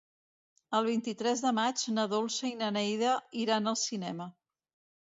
El vint-i-tres de maig na Dolça i na Neida iran al cinema.